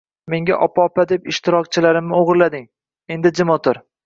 Menga opa opa deb ishtirokchilarimni o‘g‘irlading, endi jim o‘tir.